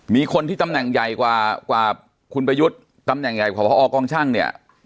มีคนที่ตำแหน่งใหญ่กว่าคุณประยุทธ์ตำแหน่งใหญ่ของพอกองช่างเนี่ย